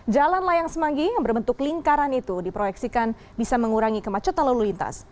jalan layang semanggi yang berbentuk lingkaran itu diproyeksikan bisa mengurangi kemacetan lalu lintas